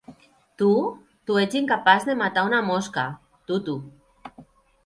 Tu, tu ets incapaç de matar una mosca, Tutu.